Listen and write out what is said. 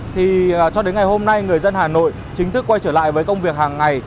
thì cho đến ngày hôm nay người dân hà nội chính thức quay trở lại với công việc hàng ngày